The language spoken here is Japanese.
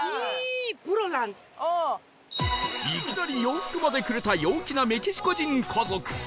いきなり洋服までくれた陽気なメキシコ人家族